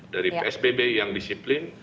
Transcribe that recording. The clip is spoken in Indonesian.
dari psbb yang disiplin